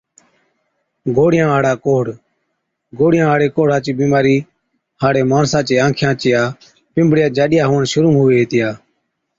گوڙهِيان هاڙا ڪوڙه، گوڙهِيان هاڙي ڪوڙها چِي بِيمارِي هاڙي ماڻسا چي آنکِيان چِيا پنبڙِيا جاڏِيا هُوَڻ شرُوع هُوي هِتِيا۔